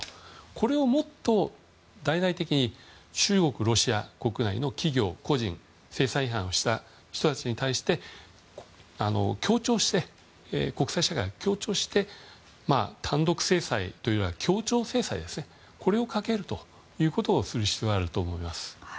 これをもっと大々的に中国、ロシア国内の企業や個人制裁違反をした人たちに対して国際社会が協調して単独制裁というよりは協調制裁をこれをかけるということをする必要があると思います。